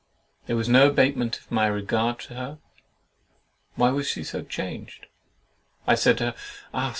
There was no abatement of my regard to her; why was she so changed? I said to her, "Ah!